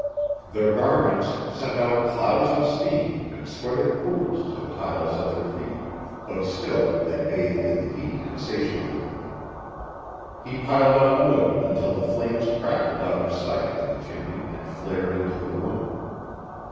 Their garments sent out clouds of steam and sweated pools to the tiles at their feet; but still they bathed in the heat insatiably. He piled on wood until the flames crackled out of sight in the chimney and flared into the room.